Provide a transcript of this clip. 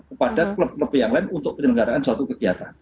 kepada klub klub yang lain untuk penyelenggaraan suatu kegiatan